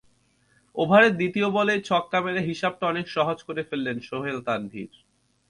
ওভারের দ্বিতীয় বলেই ছক্কা মেরে হিসাবটা অনেক সহজ করে ফেলেন সোহেল তানভীর।